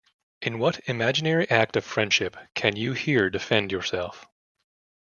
In what imaginary act of friendship can you here defend yourself?